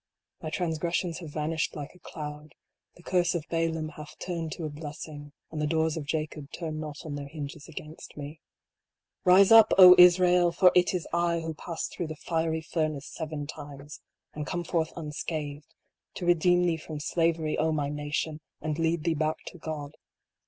My transgressions have vanished like a cloud. The curse of Balaam hath turned to a blessing ; And the doors of Jacob turn not on their hinges against me. Rise up, O Israel ! for it is I who passed through the fiery furnace seven times, and come forth unscathed, to re deem thee from slavery, O my nation ! and lead thee back to God.